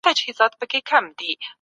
نظري پوهان سمدستي ګټو ته نه ګوري.